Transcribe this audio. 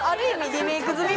リメイク済み。